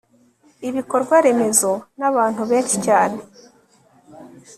ibikorwaremezo nabantu benshi cyane